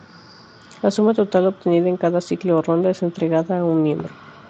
La suma total obtenida en cada ciclo o ronda, es entregada a un miembro.